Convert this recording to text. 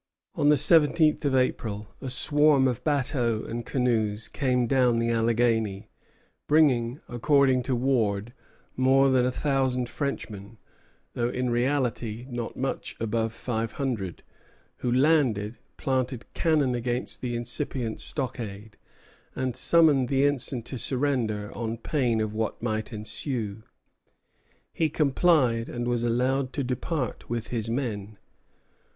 On the seventeenth of April a swarm of bateaux and canoes came down the Alleghany, bringing, according to Ward, more than a thousand Frenchmen, though in reality not much above five hundred, who landed, planted cannon against the incipient stockade, and summoned the ensign to surrender, on pain of what might ensue. He complied, and was allowed to depart with his men.